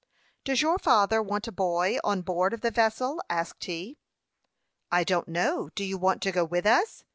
"Does your father want a boy on board of the vessel?" asked he. "I don't know. Do you want to go with us?"